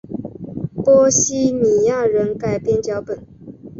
波希米亚人改编脚本。